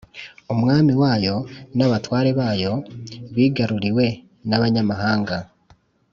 umwami wayo n’abatware bayo bigaruriwe n’abanyamahanga,